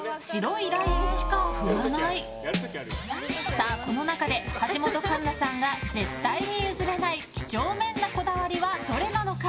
さあ、この中で橋本環奈さんが絶対に譲れない几帳面なこだわりはどれなのか？